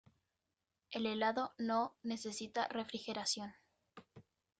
El helado no necesita refrigeración.